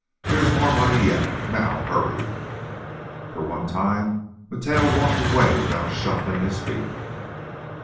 There is more money yet. Now, hurry." For one time Mateo walked away without shuffling his feet.